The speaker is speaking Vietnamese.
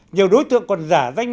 nhiều đối tượng còn giả danh